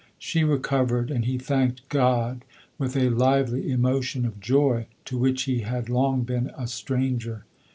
She recovered ; and he thanked God, with a lively emotion of joy, to whi< 'i he had long; been a stranger.